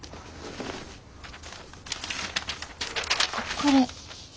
これ。